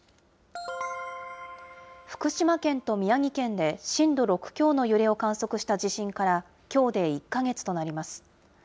福島県と宮城県で震度６強の揺れを観測した地震からきょうで１か月となります。